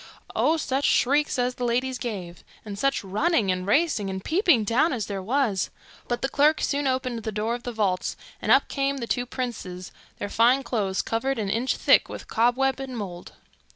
Oh, such shrieks as the ladies gave! and such running and racing and peeping down as there was! but the clerk soon opened the door of the vault, and up came the two princes, their fine clothes covered an inch thick with cobwebs and mould.